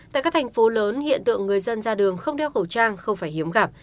tại các thành phố lớn hiện tượng người dân ra đường không đeo khẩu trang không phải hiếm gặp